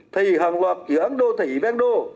thì hàng loạt dự án đô thị bên đô